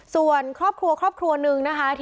ส่วนครอบครัวครอบครัวหนึ่งนะคะ